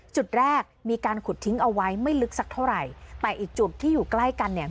จุดแรกมีการขุดทิ้งเอาไว้ไม่ลึกสักเท่าไหร่แต่อีกจุดที่อยู่ใกล้กันเนี่ย